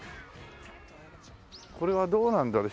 これはどうなんだろう？